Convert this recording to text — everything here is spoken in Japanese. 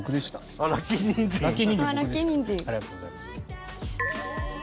ありがとうございます。